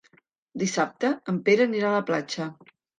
Dissabte en Pere anirà a la platja.